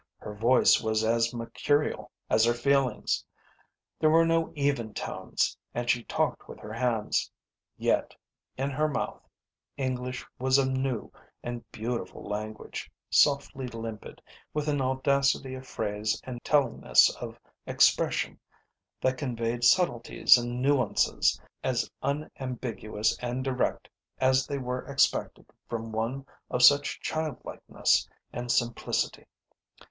Her voice was as mercurial as her feelings. There were no even tones, and she talked with her hands. Yet, in her mouth, English was a new and beautiful language, softly limpid, with an audacity of phrase and tellingness of expression that conveyed subtleties and nuances as unambiguous and direct as they were unexpected from one of such childlikeness and simplicity.